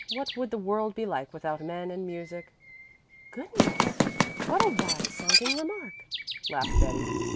What would the world be like without men and music?" "Goodness! what a wise sounding remark," laughed Betty.